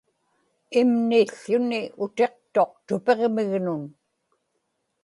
imnił̣ł̣utiŋ utiqtut tupiġmignun